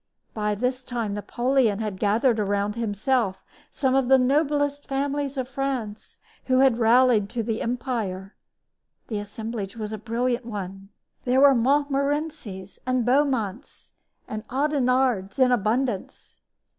By this time Napoleon had gathered around himself some of the noblest families of France, who had rallied to the empire. The assemblage was a brilliant one. There were Montmorencys and Beaumonts and Audenardes in abundance.